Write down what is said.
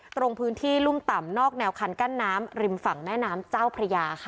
ตรงพื้นที่รุ่มต่ำนอกแนวคันกั้นน้ำริมฝั่งแม่น้ำเจ้าพระยาค่ะ